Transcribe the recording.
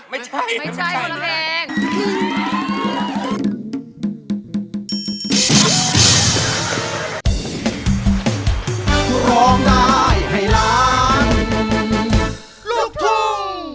ไม่ใช่คนละแพง